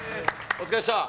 お疲れでした！